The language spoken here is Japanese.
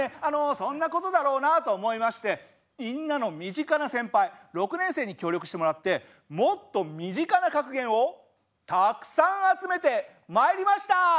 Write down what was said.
そんなことだろうなと思いましてみんなの身近な先輩６年生に協力してもらってもっと身近な格言をたくさん集めてまいりました。